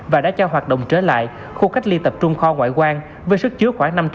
và đã cho hoạt động trở lại khu cách ly tập trung kho ngoại quan với sức chứa khoảng